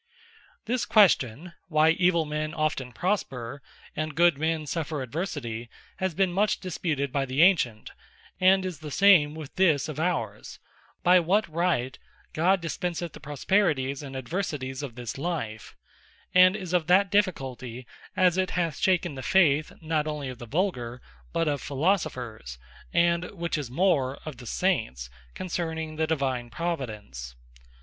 Sinne Not The Cause Of All Affliction This question, "Why Evill men often Prosper, and Good men suffer Adversity," has been much disputed by the Antient, and is the same with this of ours, "By what Right God dispenseth the Prosperities and Adversities of this life;" and is of that difficulty, as it hath shaken the faith, not onely of the Vulgar, but of Philosophers, and which is more, of the Saints, concerning the Divine Providence.